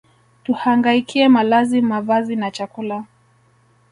tuhangaikie malazi mavazi na chakula